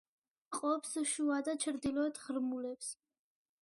ყოფს შუა და ჩრდილოეთ ღრმულებს.